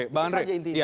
itu saja intinya